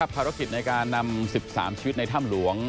ภารกิจในการนำ๑๓ชีวิตในถ้ำหลวง